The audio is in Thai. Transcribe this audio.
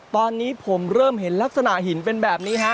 ตอนนี้ผมเริ่มเห็นลักษณะหินเป็นแบบนี้ฮะ